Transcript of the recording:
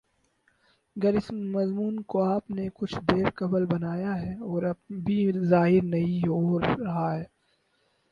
گر اس مضمون کو آپ نے کچھ دیر قبل بنایا ہے اور ابھی ظاہر نہیں ہو رہا ہے